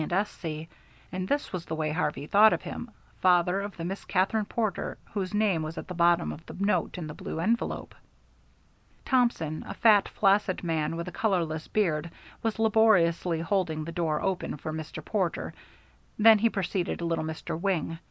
and, this was the way Harvey thought of him, father of the Miss Katherine Porter whose name was at the bottom of the note in the blue envelope. Thompson, a fat, flaccid man with a colorless beard, was laboriously holding the door open for Mr. Porter, then he preceded little Mr. Wing.